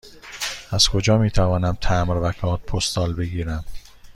از کجا می توانم تمبر و کارت پستال بگیرم؟